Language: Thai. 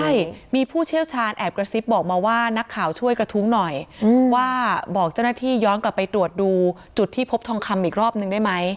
ใช่มีผู้เชี่ยวชาญแอบกระซิบบอกมาว่านักข่าวช่วยกระทุ้งหน่อยว่าบอกเจ้าหน้าที่ย้อนกลับไปตรวจดูจุดที่พบทองคำอีกรอบนึงได้ไหม